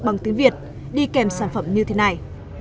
bằng tiếng việt đi kèm sản phẩm như thế này